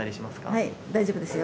はい大丈夫ですよ。